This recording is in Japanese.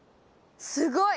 すごい！